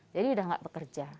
jadi sudah tidak bekerja